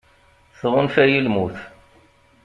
Tɣunfa-yi lmut.